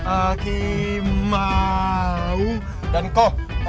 akimau dan ko